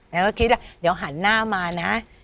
เราก็คิดเดี๋ยวหันหน้ามานะ